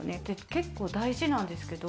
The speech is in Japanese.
結構大事なんですけど。